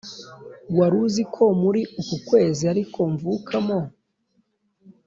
waruziko muri uku kwezi ariko mvukamo